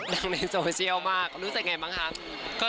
ดังในโซเชียลมากรู้สึกอย่างไรบ้างคะ